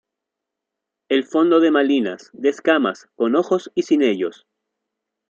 El fondo de Malinas, de escamas, con ojos y sin ellos.